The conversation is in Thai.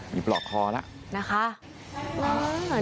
มีบร่อกคอแล้ว